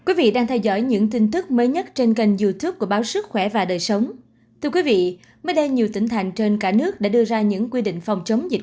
các bạn hãy đăng ký kênh để ủng hộ kênh của chúng mình nhé